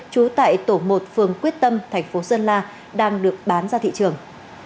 trú tại tổ một phường quyết tâm thành phố sơn la đang được bán ra thị trường